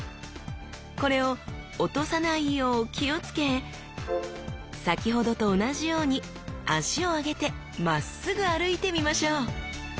これを落とさないよう気を付け先ほどと同じように脚を上げてまっすぐ歩いてみましょう！